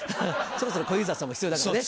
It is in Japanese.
そろそろ小遊三さんも必要だからね。